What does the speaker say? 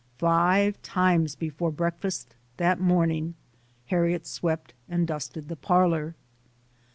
Five times before breakfast that morning Harriet swept and dusted the parlor.